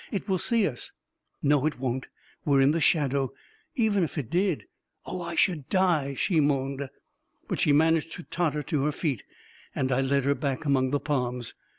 " It will see us !" M No, it won't. We're in the shadow. Even if it did ..."" Oh, I should die !" she moaned. But she managed to totter to her feet, and I led her back among the palms.